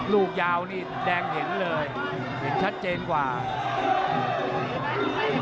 ลูกยาวนี่แดงเห็นเลยเห็นชัดเจนกว่า